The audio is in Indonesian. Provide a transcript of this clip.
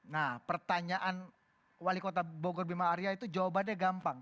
nah pertanyaan wali kota bogor bima arya itu jawabannya gampang